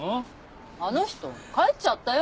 あの人帰っちゃったよ。